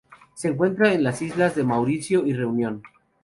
Se encuentra en las islas de Mauricio y Reunión.